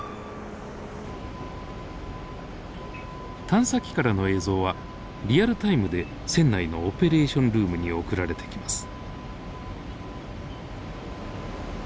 探査機からの映像はリアルタイムで船内のオペレーションルームに送られてきます。